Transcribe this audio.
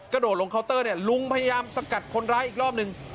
โดดลงเคาน์เตอร์เนี่ยลุงพยายามสกัดคนร้ายอีกรอบหนึ่ง